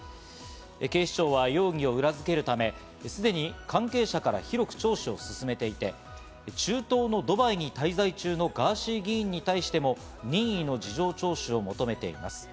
警視庁は容疑を裏付けるため、すでに関係者から広く聴取を進めていて、中東のドバイに滞在中のガーシー議員に対しても任意の事情聴取を求めています。